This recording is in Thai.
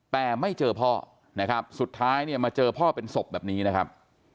แต่ไม่เจอพ่อนะครับสุดท้ายเนี่ยมาเจอพ่อเป็นศพแบบนี้นะครับ